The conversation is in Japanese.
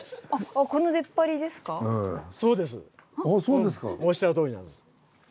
おっしゃるとおりなんです。